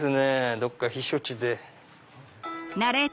どっか避暑地で。